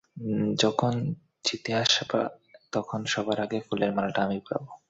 যখন জিতে আসবে তখন সবার আগে ফুলের মালাটা আমিই পরাবো।